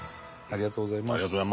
ありがとうございます。